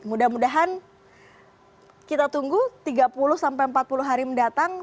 mudah mudahan kita tunggu tiga puluh sampai empat puluh hari mendatang